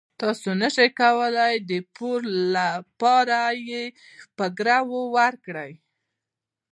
تاسو نشئ کولای د پور لپاره یې په ګرو ورکړئ.